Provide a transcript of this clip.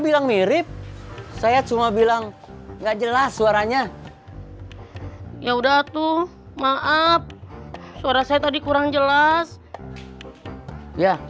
bilang mirip saya cuma bilang enggak jelas suaranya ya udah tuh maaf suara saya tadi kurang jelas ya